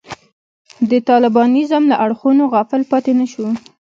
د طالبانیزم له اړخونو غافل پاتې نه شو.